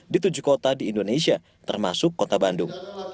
di tujuh kota di indonesia termasuk kota bandung